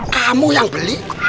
kamu yang beli